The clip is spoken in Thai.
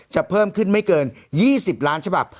เพิ่มขึ้นไม่เกิน๒๐ล้านฉบับ